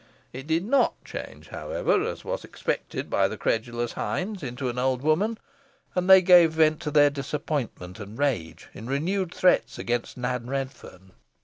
It did not change, however, as was expected by the credulous hinds, into an old woman, and they gave vent to their disappointment and rage in renewed threats against Nan Redferne.